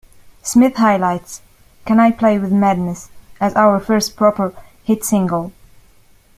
Smith highlights "Can I Play with Madness" as "our first proper hit single.